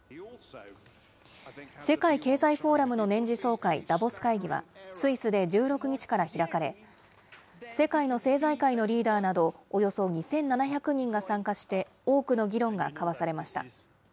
世界経済フォーラムの年次総会、ダボス会議は、スイスで１６日から開かれ、世界の政財界のリーダーなど、およそ２７００人が参加して、多くの議論が交わされました。